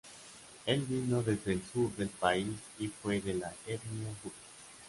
Él vino desde el sur del país y fue de la etnia Hutu.